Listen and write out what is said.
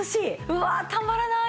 うわあたまらない。